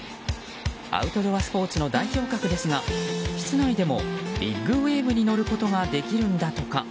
アウトドアスポーツの代表格ですが室内でもビッグウェーブに乗ることができるんだとか。